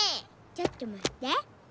ちょっとまって。